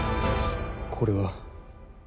これは。